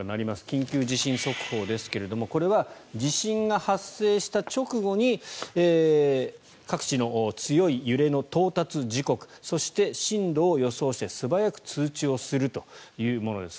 緊急地震速報ですけれどこれは地震が発生した直後に各地の強い揺れの到達時刻そして、震度を予想して素早く通知をするというものです。